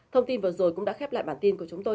thông tin vừa rồi cũng đã khép lại bản tin của chúng tôi